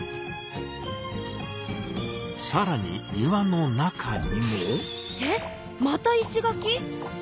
さらに庭の中にも。え！また石垣⁉